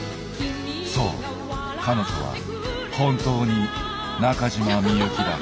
そう彼女は本当に中島未由希だ。